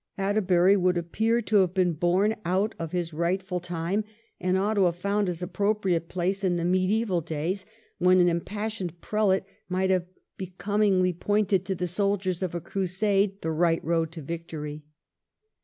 Atterbury would appear to have been born out of his rightful time, and ought to have found his appropriate place in the mediaeval days when an impassioned prelate might have becom ingly pointed to the soldiers of a crusade the right road to victory.